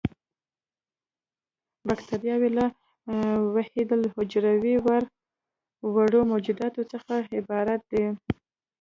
باکټریاوې له وحیدالحجروي وړو موجوداتو څخه عبارت دي.